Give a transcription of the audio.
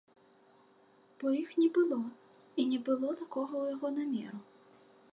Бо іх не было і не было такога у яго намеру.